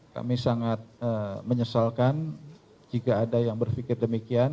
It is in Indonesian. kami sangat menyesalkan jika ada yang berpikir demikian